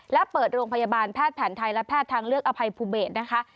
และเปิดโรงพยาบาลแพทย์แผนไทยและแพทย์ทางเลือกอภัยภูเบศนะคะ